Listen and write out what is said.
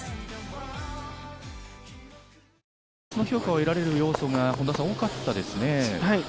評価を得られる要素が多かったですね。